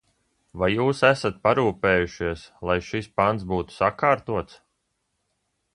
Vai jūs esat parūpējušies, lai šis pants būtu sakārtots?